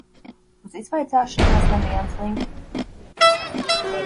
Uz izvaicāšanu mēs nebijām slinki.